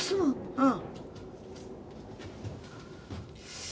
うん。